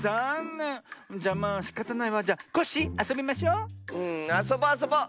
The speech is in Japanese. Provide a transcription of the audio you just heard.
うんあそぼうあそぼう！